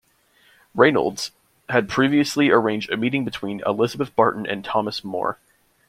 Reynolds had previously arranged a meeting between Elizabeth Barton and Thomas More.